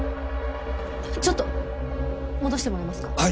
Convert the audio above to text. ちょっと戻してもらえますか？